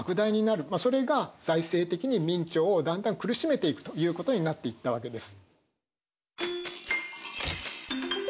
それが財政的に明朝をだんだん苦しめていくということになっていったわけです。